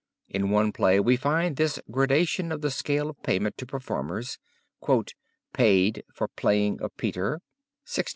In one play we find this gradation of the scale of payment to performers: "Paid, for playing of Peter, xvid.